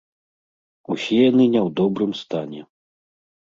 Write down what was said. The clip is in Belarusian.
Усе яны не ў добрым стане.